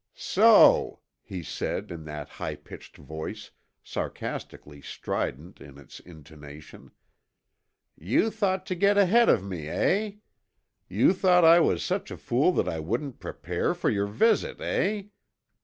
"So," he said, in that high pitched voice, sarcastically strident in its intonation, "you thought to get ahead of me, eh? You thought I was such a fool that I wouldn't prepare for your visit, eh?